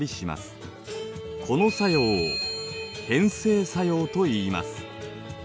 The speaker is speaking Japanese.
この作用を変成作用といいます。